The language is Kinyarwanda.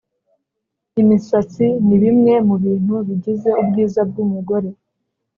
imisatsi ni bimwe mu bintu bigize ubwiza bw’umugore